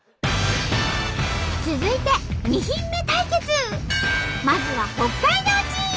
続いてまずは北海道チーム！